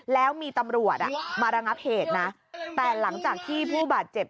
แล้วมีตำรวจอ่ะมาระงับเหตุนะแต่หลังจากที่ผู้บาดเจ็บ